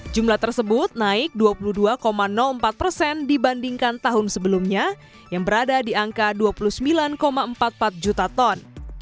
jumlah tersebut naik dua puluh dua empat persen dibandingkan tahun sebelumnya yang berada di angka dua puluh sembilan empat puluh empat juta ton